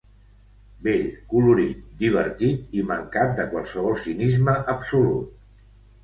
Bell, colorit, divertit, i mancat de qualsevol cinisme absolut.